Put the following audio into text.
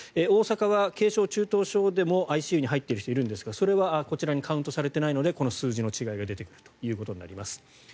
大阪は軽症、中等症でもＩＣＵに入っている人がいるんですがそれはこちらにカウントされていないので数字の違いが出てくるということになります。